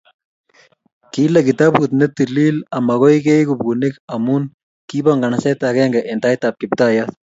Kile kitabut netilil amakoi keegu bunyik amu kibo nganaset agenge eng tait ab Kiptayat